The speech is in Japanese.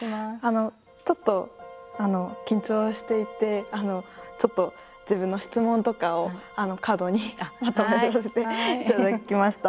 ちょっと緊張していてちょっと自分の質問とかをカードにまとめさせていただきました。